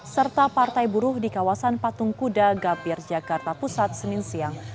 serta partai buruh di kawasan patung kuda gambir jakarta pusat senin siang